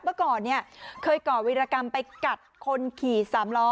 เมื่อก่อนเนี่ยเคยก่อวิรกรรมไปกัดคนขี่สามล้อ